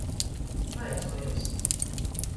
Vaicuojums.